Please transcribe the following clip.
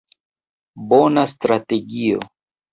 Bona strategio.